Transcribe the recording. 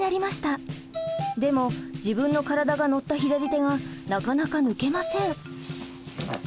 でも自分の体が乗った左手がなかなか抜けません。